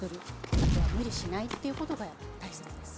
あとは無理しないっていうことが大切です。